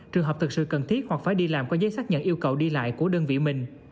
trường hợp thực sự cần thiết hoặc phải đi làm có giấy xác nhận yêu cầu đi lại của đơn vị mình